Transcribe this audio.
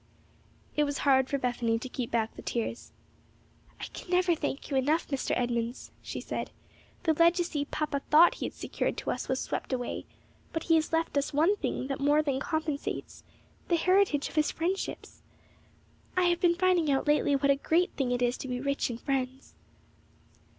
It was hard for Bethany to keep back the tears. "I can never thank you enough, Mr. Edmunds," she said. "The legacy papa thought he had secured to us was swept away, but he has left us one thing that more than compensates the heritage of his friendships. I have been finding out lately what a great thing it is to be rich in friends."